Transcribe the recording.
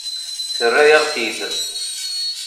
Terra-yaɣ-t-id.